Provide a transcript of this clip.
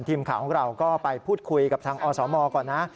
ทีมข่าวของเราก็ไปพูดคุยกับทางอสมก่อนนะ